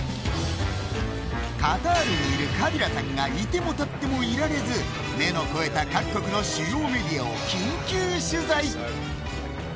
カタールにいるカビラさんがいてもたってもいられず目の肥えた各国の主要メディアを緊急取材。